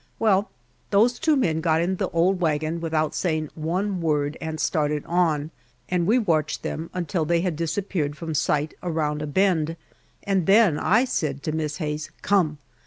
Well, those two men got in the old wagon without saying one word and started on, and we watched them until they had disappeared from sight around a bend, and then I said to Miss Hayes, "Come!"